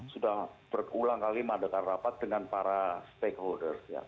sudah berulang kali mendekat rapat dengan para stakeholder